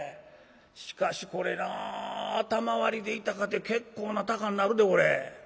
「しかしこれな頭割りでいったかて結構な高になるでこれ」。